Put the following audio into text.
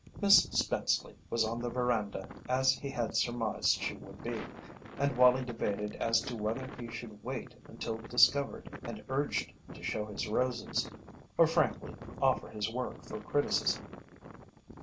Miss Spenceley was on the veranda as he had surmised she would be, and Wallie debated as to whether he should wait until discovered and urged to show his roses, or frankly offer his work for criticism.